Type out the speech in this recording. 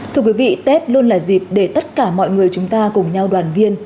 thưa quý vị tết luôn là dịp để tất cả mọi người chúng ta cùng nhau đoàn viên